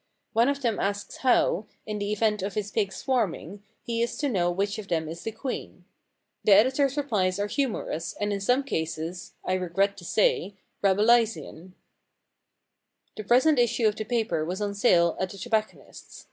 One of them asks how, in the event of his pigs swarming, he is to know which of them is the queen. The editor's replies are humorous and in some cases, I regret to say, Rabelaisian, 233 The Problem Club * The present issue of the paper was on sale at the tobacconist's.